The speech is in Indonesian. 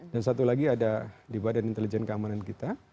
dan satu lagi ada di badan intelijen keamanan kita